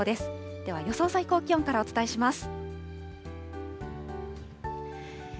では予想最高気温からお伝えします。